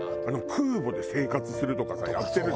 空母で生活するとかさやってるじゃん。